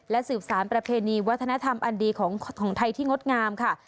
สืบสารประเพณีวัฒนธรรมอันดีของไทยที่งดงามค่ะ